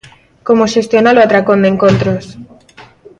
Como xestionar o atracón de encontros.